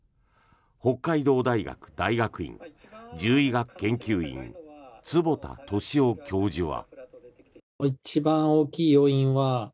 北海道大学大学院獣医学研究院坪田敏男教授は。